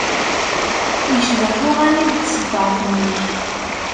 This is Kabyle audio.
Yecbeḥ uɣanib n tṣeddart-nnek.